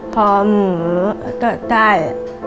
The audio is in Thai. ขอหมูตะแตน